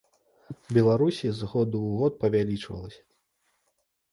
Беларусі з году ў год павялічвалася!